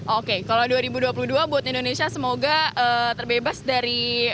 oke kalau dua ribu dua puluh dua buat indonesia semoga terbebas dari